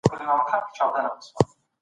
څوک غواړي قونسلګري په بشپړ ډول کنټرول کړي؟